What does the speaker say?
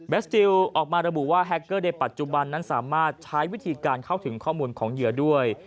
สติลออกมาระบุว่าแฮคเกอร์ในปัจจุบันนั้นสามารถใช้วิธีการเข้าถึงข้อมูลของเหยื่อด้วย